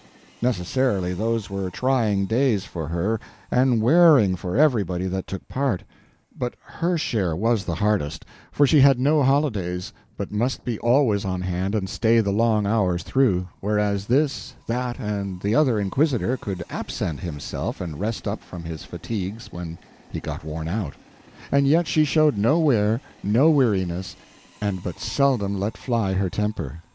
Necessarily those were trying days for her, and wearing for everybody that took part; but her share was the hardest, for she had no holidays, but must be always on hand and stay the long hours through, whereas this, that, and the other inquisitor could absent himself and rest up from his fatigues when he got worn out. And yet she showed no wear, no weariness, and but seldom let fly her temper.